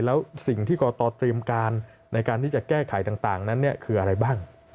แล้วสิ่งที่กรตเตรียมการในการที่จะแก้ไขต่างนั้นคืออะไรบ้าง